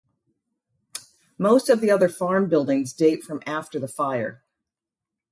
Most of the other farm buildings date from after the fire.